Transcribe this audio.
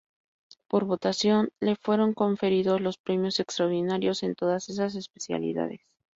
Por votación le fueron conferidos los premios extraordinarios en todas esas especialidades.